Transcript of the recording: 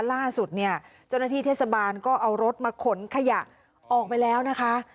ล่าสุดเนี่ยเจ้าหน้าที่เทศบาลก็เอารถมาขนขยะออกไปแล้วนะคะ